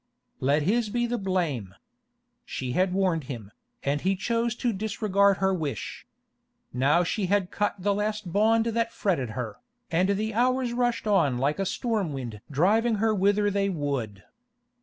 Let his be the blame. She had warned him, and he chose to disregard her wish. Now she had cut the last bond that fretted her, and the hours rushed on like a storm wind driving her whither they would.